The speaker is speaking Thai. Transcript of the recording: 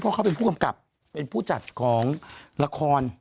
เพราะเขาเป็นผู้กำกับเป็นผู้จัดของละคร